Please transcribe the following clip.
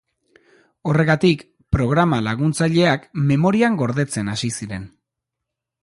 Horregatik, programa laguntzaileak memorian gordetzen hasi ziren.